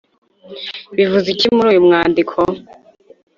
bivuze iki muri uyu mwandiko?